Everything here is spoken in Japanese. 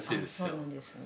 そうなんですね。